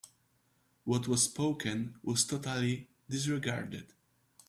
What was spoken was totally disregarded.